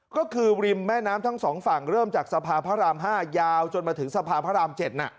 ก็คือริมแม่น้ำทั้งสองฝั่งเริ่มจากสะพานพระราม๕ยาวจนมาถึงสะพานพระราม๗